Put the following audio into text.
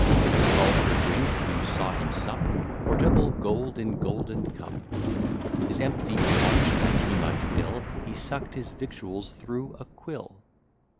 He call'd for drink; you saw him sup Potable gold in golden cup: His empty paunch that he might fill, He suck'd his victuals thro' a quill.